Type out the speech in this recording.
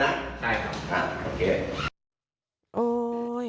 ตอบทุกอย่าง